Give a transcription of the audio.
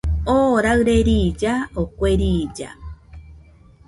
Oo raɨre riilla, o kue riilla